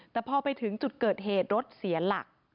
แต่พอไปถึงจุดเกิดเหตุรถเสียหลัก